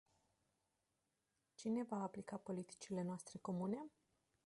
Cine va aplica politicile noastre comune?